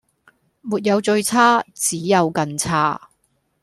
沒有最差只有更差